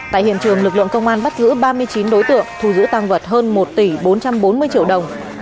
tại hiện trường lực lượng công an bắt giữ ba mươi chín đối tượng thu giữ tăng vật hơn một tỷ bốn trăm bốn mươi triệu đồng